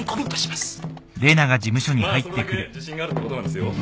まあそれだけ自信があるってことなんですよ。